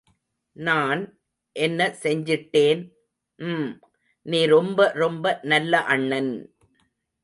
.நான் என்ன செஞ்சிட்டேன்!.... ம்!... நீ ரொம்ப ரொம்ப நல்ல அண்ணன்!...